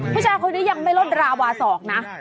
ผู้ชายคนนี้ยังไม่ลดราวาสอกนะ